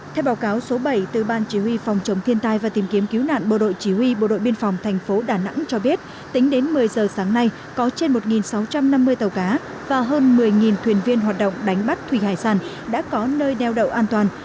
theo báo cáo số bảy từ ban chỉ huy phòng chống thiên tai và tìm kiếm cứu nạn bộ đội chỉ huy bộ đội biên phòng tp đà nẵng cho biết tính đến một mươi giờ sáng nay có trên một sáu trăm năm mươi tàu cá và hơn một mươi thuyền viên hoạt động đánh bắt thủy hải sản đã có nơi đeo đậu an toàn